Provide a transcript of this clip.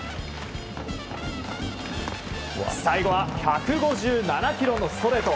最後は１５７キロのストレート。